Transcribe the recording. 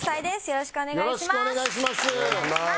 よろしくお願いします。